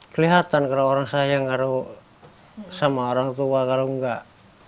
kelihatan kalau orang sayang sama orang tua kalau enggak